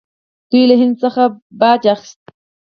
دوی له هند څخه باج اخیست